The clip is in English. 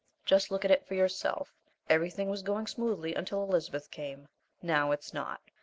Just look at it for yourself. Everything was going smoothly until Elizabeth came. Now it's not.